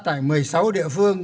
tại một mươi sáu địa phương